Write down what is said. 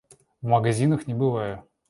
В магазинах не бываю.